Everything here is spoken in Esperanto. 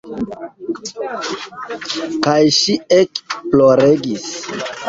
Kaj ŝi ekploregis.